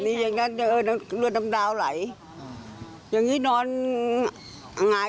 ไม่รู้มันถึงอะไรก็อันป้ามันพั่นมา